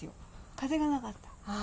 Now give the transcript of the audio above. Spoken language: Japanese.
風がなかった。